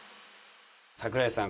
桜井さん